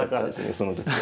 その時は。